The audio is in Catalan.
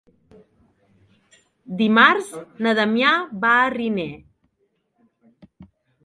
Dimarts na Damià va a Riner.